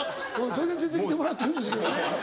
それで出てきてもらってるんですけどね。